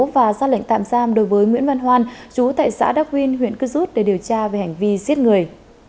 và ra lệnh tạm giam đối với nguyễn văn hoan chú tại xã đắc quyên huyện cư rút để điều tra về hành vi giết người